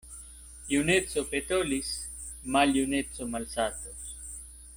Juneco petolis, maljuneco malsatos.